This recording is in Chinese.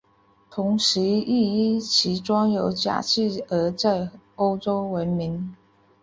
同时亦因其装有假肢而在欧洲闻名。